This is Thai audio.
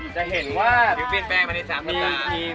จะเห็นว่าผิวเปลี่ยนแปลงมาใน๓สัปดาห์